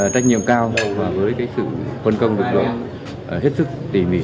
trách nhiệm cao và với sự phân công lực lượng hết sức tỉ mỉ